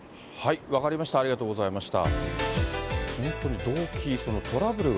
分かりました、ありがとうございました。